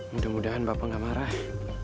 mudah mudahan bapak nggak marah